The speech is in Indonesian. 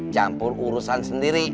campur urusan sendiri